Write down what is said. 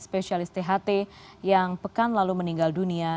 spesialis tht yang pekan lalu meninggal dunia